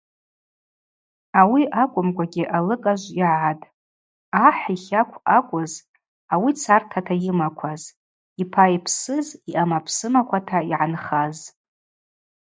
Ауи акӏвымкӏвагьи алыгажв йагӏатӏ: ахӏ йхакв ъакӏвыз, ауи цартата йымакваз, йпа йпсыз йъамапсымаквата йгӏанхаз.